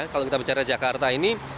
kalau kita bicara jakarta ini